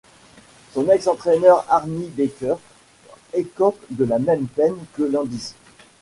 Son ex-entraîneur Arnie Baker écope de la même peine que Landis.